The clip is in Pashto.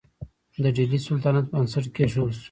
د ډیلي سلطنت بنسټ کیښودل شو.